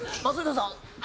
松下さん